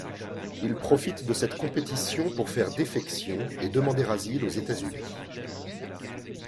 Il profite de cette compétition pour faire défection et demander asile aux États-Unis.